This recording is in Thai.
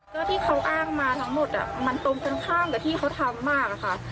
ก็ที่เขาอ้างมาทั้งหมดมันตรงกันข้ามกับที่เขาทำมากอะค่ะ